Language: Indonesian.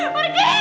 tempat bu andin